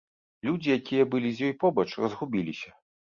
Людзі, якія былі з ёй побач, разгубіліся.